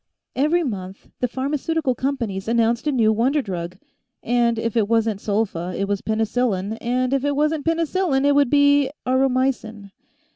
Every month, the pharmaceutical companies announced a new wonder drug and if it wasn't sulfa, it was penicillin, and if it wasn't penicillin it would be aureomycin.